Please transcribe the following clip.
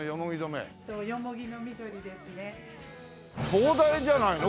東大じゃないの？